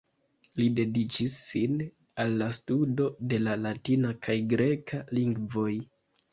Li dediĉis sin al la studo de la latina kaj greka lingvoj.